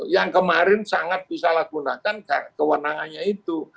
yang kemarin sangat bisalah gunakan kewenangannya itu